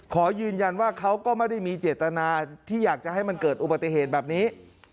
ขอยืนยันว่าเขาก็ไม่ได้มีเจตนาที่อยากจะให้มันเกิดอุบัติเหตุแบบนี้